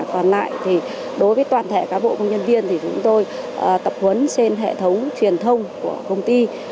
còn lại đối với toàn thể các bộ công nhân viên chúng tôi tập huấn trên hệ thống truyền thông của công ty